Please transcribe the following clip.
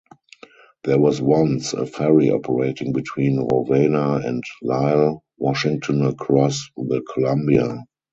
There was once a ferry operating between Rowena and Lyle, Washington across the Columbia.